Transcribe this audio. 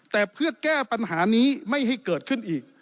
แต่เพื่อแก้ปัญหานี้ไม่ให้เกิดขึ้นอีก